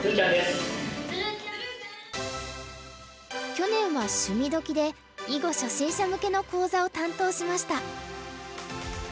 去年は「趣味どきっ！」で囲碁初心者向けの講座を担当しました。